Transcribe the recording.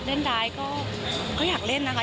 เล่นได้ก็ก็อยากเล่นนะคะ